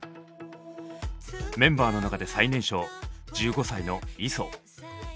メンバーの中で最年少１５歳のイソ。